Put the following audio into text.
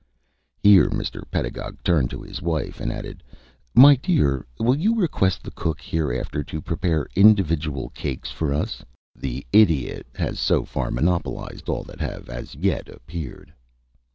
Here Mr. Pedagog turned to his wife, and added: "My dear, will you request the cook hereafter to prepare individual cakes for us? The Idiot has so far monopolized all that have as yet appeared."